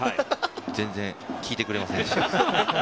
全然聞いてくれませんでした。